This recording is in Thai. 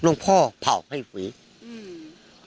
หลวงพ่อเผ่าให้ฝีอืม